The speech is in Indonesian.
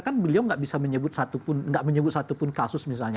kan beliau tidak bisa menyebut satu pun kasus misalnya